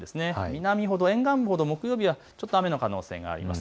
南ほど、沿岸部ほど木曜日は雨の可能性があります。